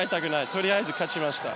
とりあえず勝ちました。